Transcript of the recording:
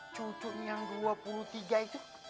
cucunya yang dua puluh tiga itu